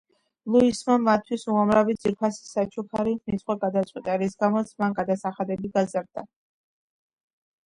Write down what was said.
ლუისმა მათთვის უამრავი ძვირფასი საჩუქრის მიძღვნა გადაწყვიტა, რის გამოც მან გადასახადები გაზარდა.